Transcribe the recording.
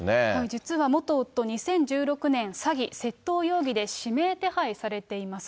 実は元夫、２０１６年、詐欺・窃盗容疑で指名手配されています。